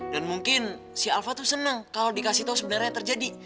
dan mungkin si alva tuh seneng kalau dikasih tau sebenarnya yang terjadi